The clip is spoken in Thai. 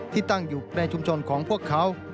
ที่ตั้งอยู่ในชุมชนของพวกเขา